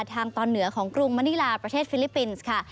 ทางตอนเหนือของกรุงมณิลาประเทศฟิลิปปินส์ค่ะ